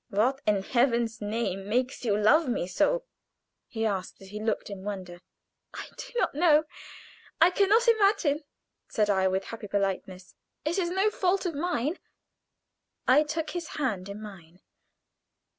"What, in Heaven's name, makes you love me so?" he asked, as if lost in wonder. "I don't know. I can not imagine," said I, with happy politeness. "It is no fault of mine." I took his hand in mine.